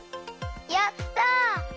やった！